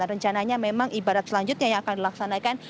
dan rencananya memang ibadah selanjutnya yang akan dilaksanakan